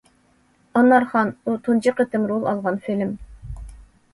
« ئانارخان» ئۇ تۇنجى قېتىم رول ئالغان فىلىم.